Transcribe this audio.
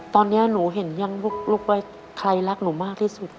ตอนนี้หนูเห็นยังลูกว่าใครรักหนูมากที่สุด